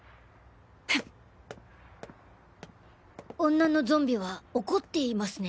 女のゾンビは怒っていますね。